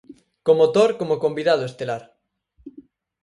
Co motor como convidado estelar.